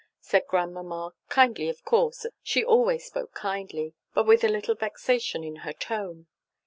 said Grandmamma, kindly of course she always spoke kindly, but with a little vexation in her tone.